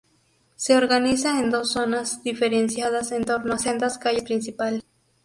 Se organiza en dos zonas diferenciadas en torno a sendas calles principales.